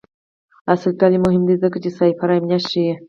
عصري تعلیم مهم دی ځکه چې سایبر امنیت ښيي.